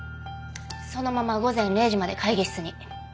そのまま午前０時まで会議室に。